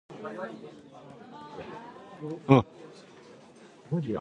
Navy and Billy dramatically rescue them from the psychotic drifters.